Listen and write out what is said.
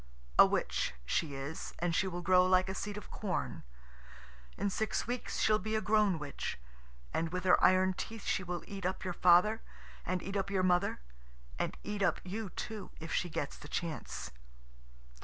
A witch she is, and she will grow like a seed of corn. In six weeks she'll be a grown witch, and with her iron teeth she will eat up your father, and eat up your mother, and eat up you too, if she gets the chance.